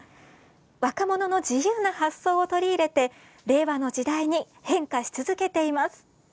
若者の自由な発想を取り入れて令和の時代に変化し続けています。